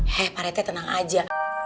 hei pak rete tenang aja